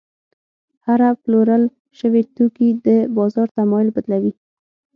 هره پلورل شوې توکي د بازار تمایل بدلوي.